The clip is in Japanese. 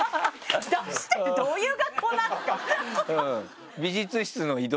出してるどういう学校なんですか？